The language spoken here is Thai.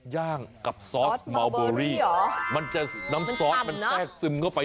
ย่างกับซอสเมาเบอรี่มันจะน้ำซอสมันแทรกซึมเข้าไป